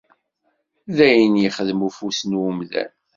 D ayen yexdem ufus n umdan.